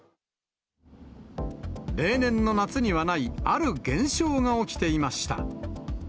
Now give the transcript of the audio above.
例年の夏にはない、ある現象が起きていました。